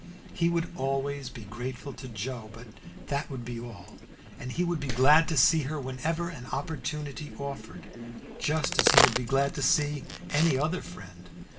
He would always be grateful to Joe, but that would be all, and he would be glad to see her whenever an opportunity offered, just as he would be glad to see any other friend.